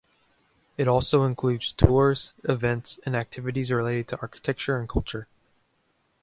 It also includes tours, events and activities related to architecture and culture.